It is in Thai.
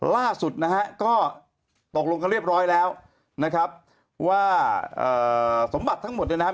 ล่าสุดนะฮะก็ตกลงกันเรียบร้อยแล้วนะครับว่าสมบัติทั้งหมดเนี่ยนะครับ